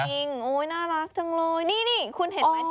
ลุ้งลิ้งโอ้ยน่ารักจังเลยนี้คุณเห็นไหมที่เราวงไว้